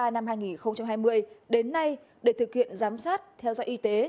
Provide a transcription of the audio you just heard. năm hai nghìn hai mươi đến nay để thực hiện giám sát theo dõi y tế